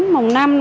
mùng bốn mùng năm